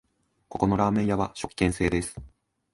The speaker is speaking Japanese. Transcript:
ここのラーメン屋は食券制です